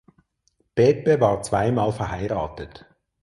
Pepe war zwei Mal verheiratet.